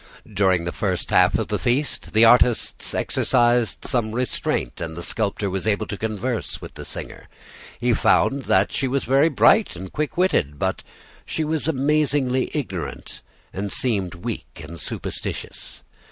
During the first half of the feast the artists exercised some restraint, and the sculptor was able to converse with the singer. He found that she was very bright and quick witted; but she was amazingly ignorant and seemed weak and superstitious.